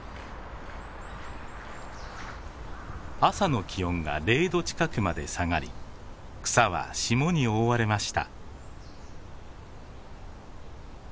朝の気温が０度近くまで下がり草は霜に覆われました。